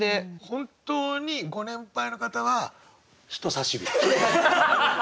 本当にご年配の方は人さし指。